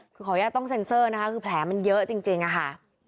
คือขออนุญาตต้องเซ็นเซอร์นะคะคือแผลมันเยอะจริงค่ะ